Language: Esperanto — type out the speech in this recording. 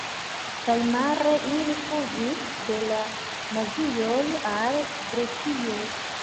Samjare ili fuĝis de la nazioj al Grekio.